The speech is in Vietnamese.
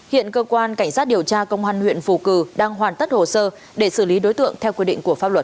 hiện cơ quan cảnh sát điều tra công an huyện phù cử đang hoàn tất hồ sơ để xử lý đối tượng theo quy định của pháp luật